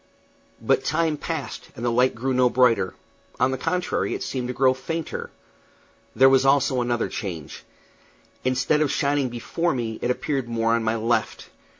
But time passed, and the light grew no brighter; on the contrary, it seemed to grow fainter. There was also another change. Instead of shining before me, it appeared more on my left.